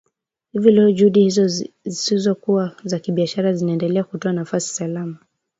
Hivi leo juhudi hizo zisizokuwa za kibiashara zinaendelea kutoa nafasi salama